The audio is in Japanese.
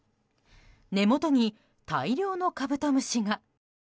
根元に大量のカブトムシが。